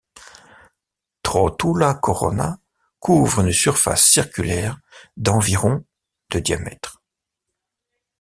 Trotula Corona couvre une surface circulaire d'environ de diamètre.